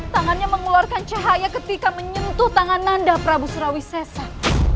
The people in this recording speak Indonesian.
tangannya mengeluarkan cahaya ketika menyentuh tangan nanda prabu surawi sesak